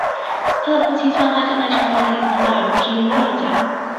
他的父亲希望他将来成为一个银行家而不是一个音乐家。